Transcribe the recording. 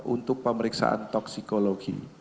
untuk pemeriksaan toksikologi